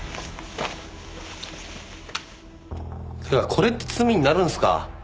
これって罪になるんですか？